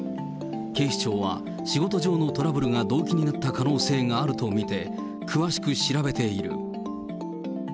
警視庁は仕事上のトラブルが動機になった可能性があると見て、詳しく調べている。